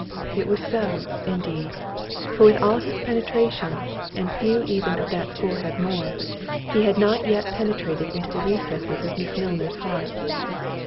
It was so, indeed—for with all his penetration, and few even of that school had more, he had not yet penetrated into the recesses of Miss Milner's heart.